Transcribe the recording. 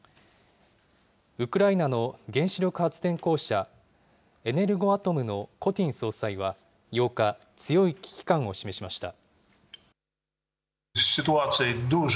ウクライナの原子力発電公社、エネルゴアトムのコティン総裁は８日、強い危機感を示しました。